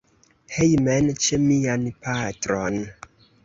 Hejmen, ĉe mian patron.